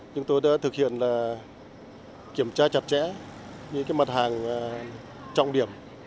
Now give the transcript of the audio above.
chúng tôi đã thực hiện kiểm tra chặt chẽ những mặt hàng trọng điểm